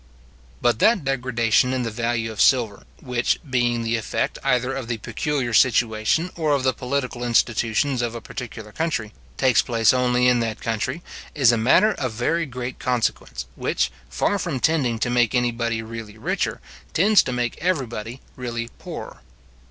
But that degradation in the value of silver, which, being the effect either of the peculiar situation or of the political institutions of a particular country, takes place only in that country, is a matter of very great consequence, which, far from tending to make anybody really richer, tends to make every body really poorer.